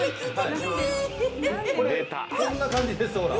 こんな感じですほら。